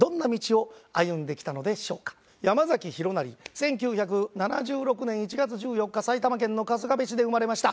１９７６年１月１４日埼玉県の春日部市で生まれました。